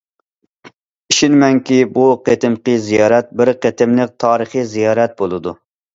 ئىشىنىمەنكى، بۇ قېتىمقى زىيارەت بىر قېتىملىق تارىخىي زىيارەت بولىدۇ.